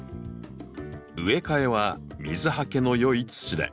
植え替えは水はけの良い土で。